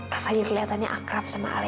kak fadil kelihatannya akrab sama ale